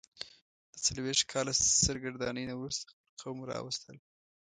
د څلوېښت کاله سرګرانۍ نه وروسته خپل قوم راوستل.